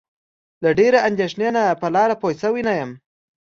له ډېرې اندېښنې په لاره پوی شوی نه یم.